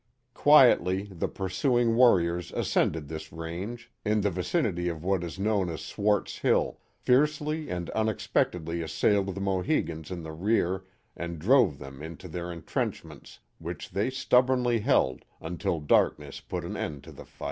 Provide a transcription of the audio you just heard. Quietly the pursuing warriors ascended this range, in the vicinity of what is known as Swart*s Hill, fiercely and unexpectedly assailed the Mohicans in the rear and drove them into their entrench ments, which they stubbornly held until darkness put an end to the fight.